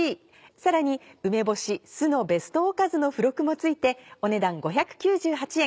さらに「梅干し・酢のベストおかず」の付録も付いてお値段５９８円。